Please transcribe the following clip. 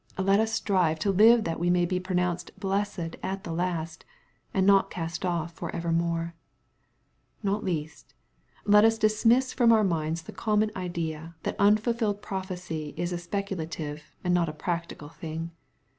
Let us strive to live that we may be pronounced " blessed" at the last, and not cast off for evermore. Not least, let us dismiss from our minds the common idea that unfulfilled prophecy is a speculative and not a practical thing.